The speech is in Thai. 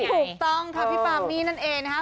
ถูกต้องค่ะพี่ปามี่นั่นเองนะคะ